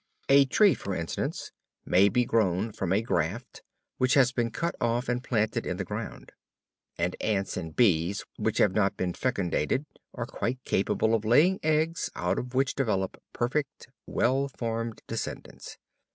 A tree, for instance, may be grown from a graft which has been cut off and planted in the ground. And ants and bees which have not been fecundated are quite capable of laying eggs out of which develop perfect, well formed descendants.